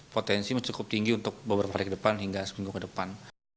potensi cukup tinggi untuk beberapa hari ke depan hingga seminggu ke depan